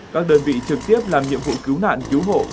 các đơn vị trực tiếp làm nhiệm vụ cứu nạn cứu hộ